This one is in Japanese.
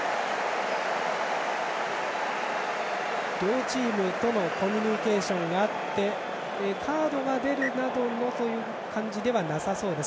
両チームとのコミュニケーションがあってカードが出るなどという感じではなさそうです。